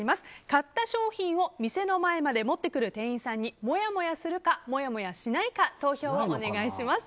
買った商品を店の前まで持ってくる店員さんにもやもやするかしないか投票をお願いします。